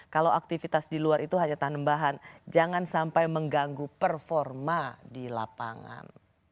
kalau aktivitas di luar itu hanya tanam bahan jangan sampai mengganggu performa di lapangan